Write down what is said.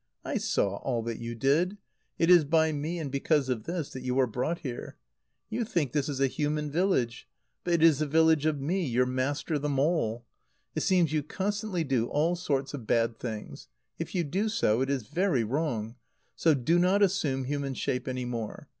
I saw all that you did. It is by me, and because of this, that you are brought here. You think this is a human village; but it is the village of me, your master the mole. It seems you constantly do all sorts of bad things. If you do so, it is very wrong; so do not assume human shape any more.